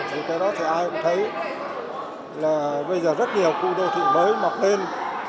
thì cái đó thì ai cũng thấy là bây giờ rất nhiều khu đô thị mới mọc tên